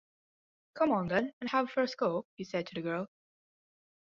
“Come on, then, and have first go,” he said to the girl.